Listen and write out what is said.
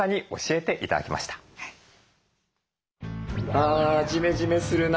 あジメジメするな。